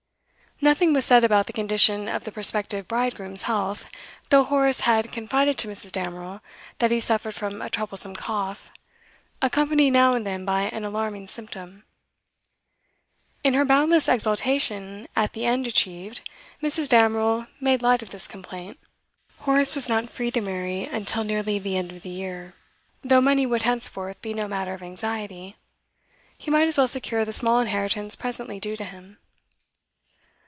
Nothing was said about the condition of the prospective bridegroom's health, though Horace had confided to Mrs. Damerel that he suffered from a troublesome cough, accompanied now and then by an alarming symptom. In her boundless exultation at the end achieved, Mrs. Damerel made light of this complaint. Horace was not free to marry until nearly the end of the year; for, though money would henceforth be no matter of anxiety, he might as well secure the small inheritance presently due to him.